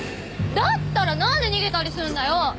だったらなんで逃げたりすんだよ！